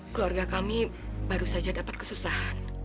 keluarga kami baru saja dapat kesusahan